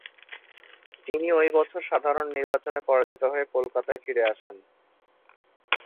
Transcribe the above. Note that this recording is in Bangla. তিনি ওই বছর সাধারণ নির্বাচনে পরাজিত হয়ে কলকাতায় ফিরে আসেন।